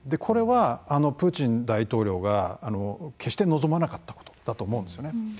これはプーチン大統領が決して望まなかったことだと思うんですよね。